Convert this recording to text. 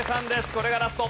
これがラスト。